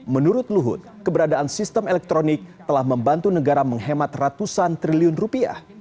menurut luhut keberadaan sistem elektronik telah membantu negara menghemat ratusan triliun rupiah